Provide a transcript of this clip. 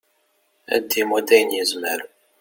ad d-imudd ayen yezmer